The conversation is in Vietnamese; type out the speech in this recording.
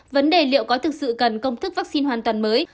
vấn đề liệu có thực sự cần công thức vaccine hoàn toàn mới